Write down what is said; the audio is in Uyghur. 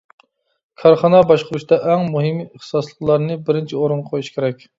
كارخانا باشقۇرۇشتا ئەڭ مۇھىمى ئىختىساسلىقلارنى بىرىنچى ئورۇنغا قويۇش كېرەك.